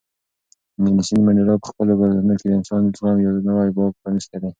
نیلسن منډېلا په خپلو یادښتونو کې د انساني زغم یو نوی باب پرانیستی دی.